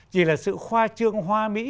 chỉ là sự khoa trương hoa mỹ